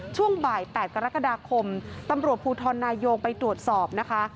ช่วงบ่าย๘กรกฎาคมตำรวจภูทรนายงไปตรวจสอบนะคะ